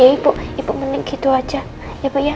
ibu mending gitu aja ya pak ya